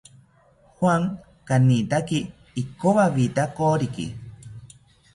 Juan kanitaki ikowawita koriki